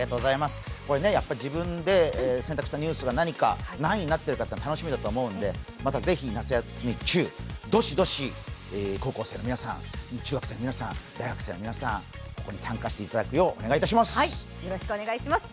自分で選択したニュースが何位になっているか楽しみだと思うので、また、ぜひ夏休み中どしどし中高生の皆さん、中学生の皆さん、大学生の皆さん、参加していただくようよろしくお願いします。